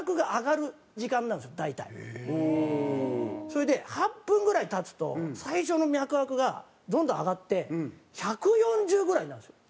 それで８分ぐらい経つと最初の脈拍がどんどん上がって１４０ぐらいになるんですよ。